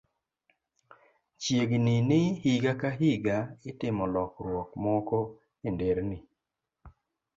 Chiegni ni higa ka higa, itimo lokruok moko e nderni